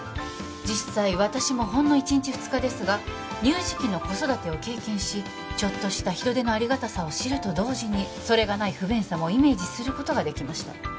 実際私もほんの一日二日ですが乳児期の子育てを経験しちょっとした人手のありがたさを知ると同時にそれがない不便さもイメージすることができました